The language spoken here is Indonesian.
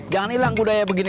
jangan hilang budaya begini